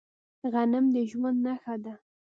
غنم د ژوند نښه ده.